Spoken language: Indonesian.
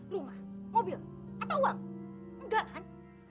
rumah mobil atau uang enggak kan